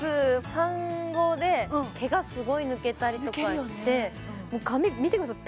産後で毛がすごい抜けたりとかしてもう髪見てください